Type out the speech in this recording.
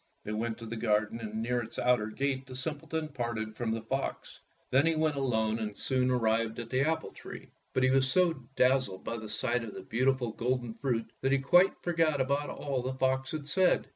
They went to the garden, and near its outer gate the simpleton parted from the fox. Then he went on alone and soon ar 42 Fairy Tale Foxes rived at the apple tree, but he was so dazzled by the sight of the beautiful golden fruit that he quite forgot all that the fox had said.